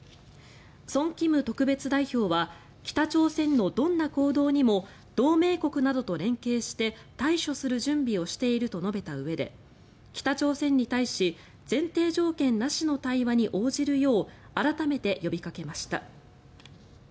ソン・キム特別代表は北朝鮮のどんな行動にも同盟国などと連携して対処する準備をしていると述べたうえで北朝鮮に対し前提条件なしの対話に応じるよう改めて呼びかけました。